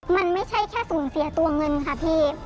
มันไม่ใช่แค่สูญเสียตัวเงินค่ะพี่